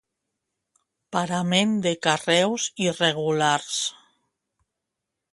Parament de carreus irregulars.